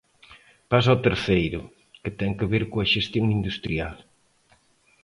Paso ao terceiro, que ten que ver coa xestión industrial.